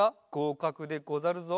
かくでござるぞ。